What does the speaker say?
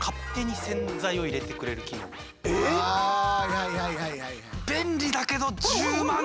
はいはいはいはい。